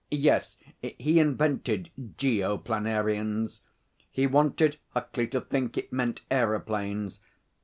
Yes, he invented "Geoplanarians." He wanted Huckley to think it meant aeroplanes.